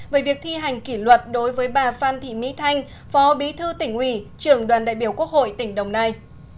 về việc thi hành kỷ luật đối với bà phan thị mỹ thanh phó bí thư tỉnh ủy trưởng đoàn đại biểu quốc hội tỉnh đồng nai